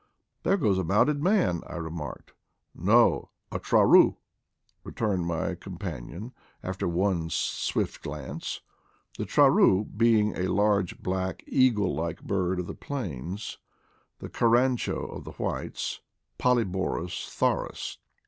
"There goes a mounted man," I remarked. "No — a traru," returned my companion, after one swift glance; the tra.ru being a large, black, eagle like bird of the plains, the carancho of the whites — Polyborus tharus.